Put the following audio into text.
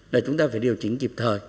để chúng ta phải điều chỉnh kịp thời